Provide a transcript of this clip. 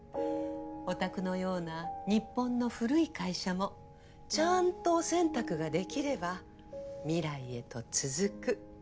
お宅のような日本の古い会社もちゃんとお洗濯ができれば未来へと続く。